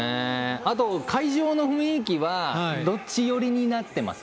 あと会場の雰囲気はどっち寄りになってます？